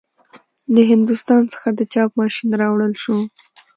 له هندوستان څخه د چاپ ماشین راوړل شو.